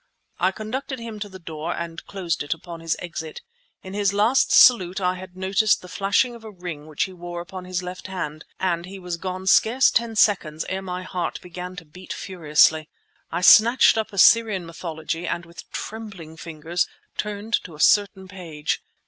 I conducted him to the door and closed it upon his exit. In his last salute I had noticed the flashing of a ring which he wore upon his left hand, and he was gone scarce ten seconds ere my heart began to beat furiously. I snatched up "Assyrian Mythology" and with trembling fingers turned to a certain page.